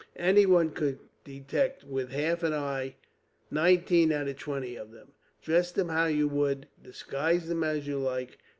Anyone could detect, with half an eye, nineteen out of twenty of them; dress them how you would, disguise them as you like.